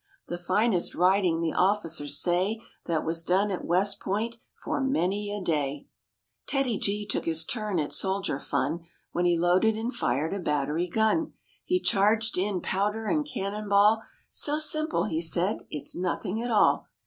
The finest riding, the officers say. That was done at West Point for many a day. THE BEARS VISIT WEST POINT TEDDY G took his turn at soldier fun When he loaded and fired a battery gun. He charged in powder and cannon ball; " So simple," he said, " it's nothing at all."